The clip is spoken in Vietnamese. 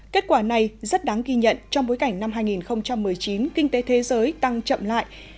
kết quả này rất đáng ghi nhận trong bối cảnh năm hai nghìn một mươi chín kinh tế thế giới tăng chậm lại